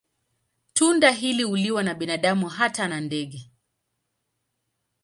Tunda hili huliwa na binadamu na hata ndege.